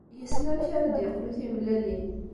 Yessen amek ara d-yeqlu timellalin.